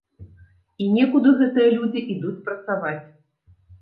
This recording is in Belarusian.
І некуды гэтыя людзі ідуць працаваць.